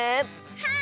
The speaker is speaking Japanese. はい！